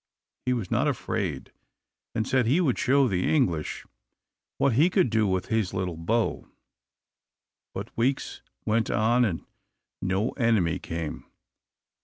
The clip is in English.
He was not afraid; and said he would show the English what he could do with his little bow. But weeks went on and no enemy came.